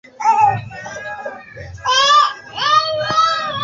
kuhiji wakakataza desturi nyingi zilizokuwa kawaida kama matumizi